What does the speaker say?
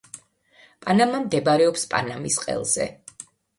პანამა მდებარეობს პანამის ყელზე.